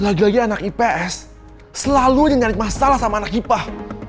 lagi lagi anak ips selalu nyari masalah sama anak hipah